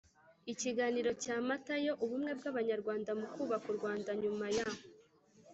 Ikiganiro cya matayo Ubumwe bw abanyarwanda mu kubaka u Rwanda nyuma ya